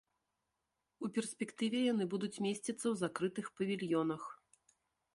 У перспектыве яны будуць месціцца ў закрытых павільёнах.